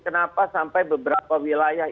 kenapa sampai beberapa wilayah